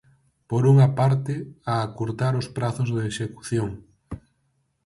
Por unha parte, a acurtar os prazos de execución.